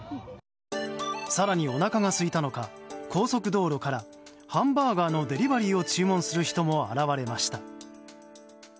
更に、おなかがすいたのか高速道路からハンバーガーのデリバリーを注文する人も現れました。